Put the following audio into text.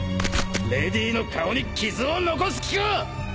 レディの顔に傷を残す気か！